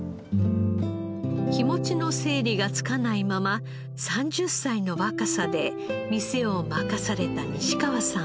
気持ちの整理がつかないまま３０歳の若さで店を任された西川さん。